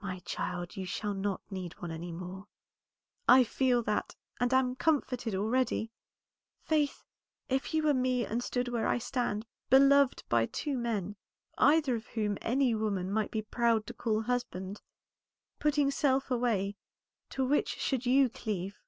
"My child, you shall not need one any more." "I feel that, and am comforted already. Faith, if you were me, and stood where I stand, beloved by two men, either of whom any woman might be proud to call husband, putting self away, to which should you cleave?"